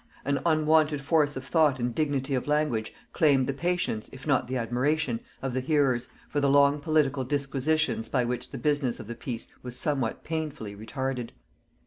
An unwonted force of thought and dignity of language claimed the patience, if not the admiration, of the hearers, for the long political disquisitions by which the business of the piece was somewhat painfully retarded.